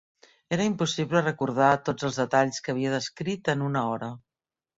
Era impossible recordar tots els detalls que havia descrit en una hora.